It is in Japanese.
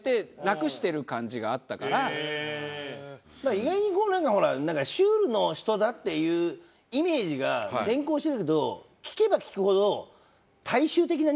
意外になんかほらシュールの人だっていうイメージが先行してるけど聞けば聞くほどハハハハ！